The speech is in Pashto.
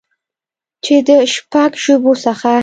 چې د شپږ ژبو څخه